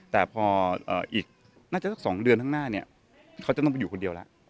แต่พออีก๒เดือนข้างหน้าเขาจะต้องไปอยู่คนเดียวแล้ว